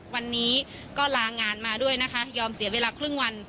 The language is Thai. วันนี้ก็ลางานมาด้วยนะคะยอมเสียเวลาครึ่งวัน